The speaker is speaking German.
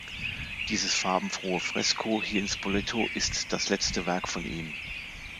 Dieses farbenfrohe Fresko hier in Spoleto ist das letzte Werk von ihm.